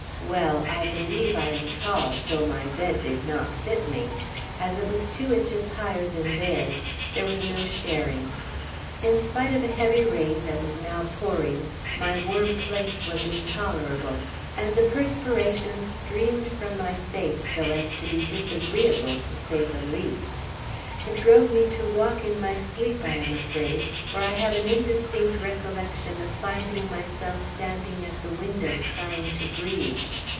Well! I believe I am tall, so my bed did not fit me. As it was two inches higher than theirs, there was no sharing. In spite of a heavy rain that was now pouring, my warm place was intolerable, and the perspiration streamed from my face so as to be disagreeable, to say the least. It drove me to walk in my sleep, I am afraid, for I have an indistinct recollection of finding myself standing at the window trying to breathe.